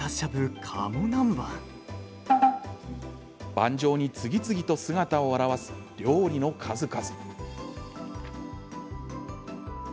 盤上に次々と姿を現す料理の数々。